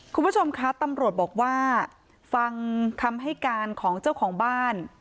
คุณผู้ชมคะตำรวจบอกว่าฟังคำให้การของเจ้าของบ้าน